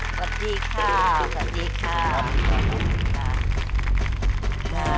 สวัสดีค่ะสวัสดีค่ะ